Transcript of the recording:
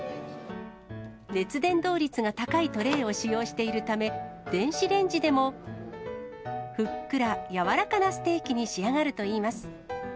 熱伝導率が高いトレーを使用しているため、電子レンジでもふっくら柔らかなステーキに仕上がるといいます。